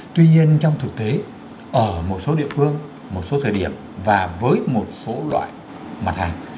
tuy nhiên trong thực tế ở một số địa phương một số thời điểm và với một số loại mặt hàng